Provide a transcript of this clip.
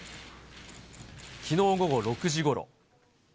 きのう午後６時ごろ。